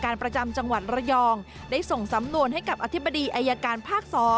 ประจำจังหวัดระยองได้ส่งสำนวนให้กับอธิบดีอายการภาค๒